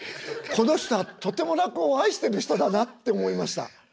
この人はとても落語を愛してる人だなって思いました。